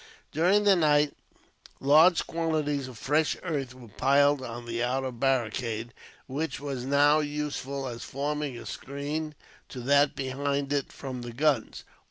During the night, large quantities of fresh earth were piled on the outer barricade, which was now useful as forming a screen to that behind it from the guns.